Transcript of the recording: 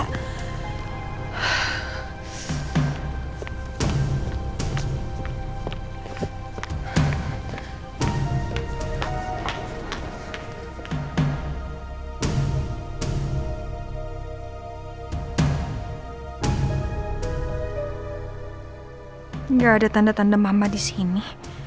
tidak ada tanda tanda mama di sini